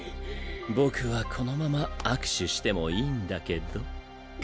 僕はこのまま握手してもいいんだけど。